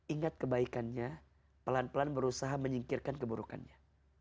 ingat kebaikannya pelan pelan berusaha menyingkirkan keburukannya